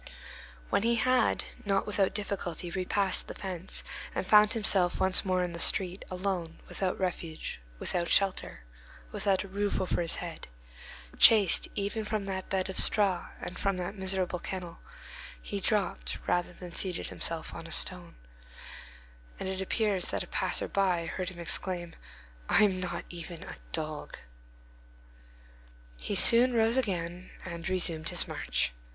When he had, not without difficulty, repassed the fence, and found himself once more in the street, alone, without refuge, without shelter, without a roof over his head, chased even from that bed of straw and from that miserable kennel, he dropped rather than seated himself on a stone, and it appears that a passer by heard him exclaim, "I am not even a dog!" He soon rose again and resumed his march.